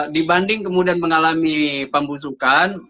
dibanding kemudian mengalami pembusukan